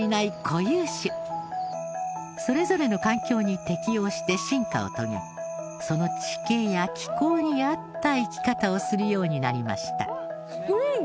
それぞれの環境に適応して進化を遂げその地形や気候に合った生き方をするようになりました。